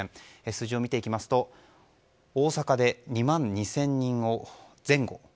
数字を見ていきますと大阪では２万２０００人前後。